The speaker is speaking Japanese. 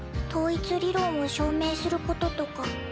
統一理論を証明することとか。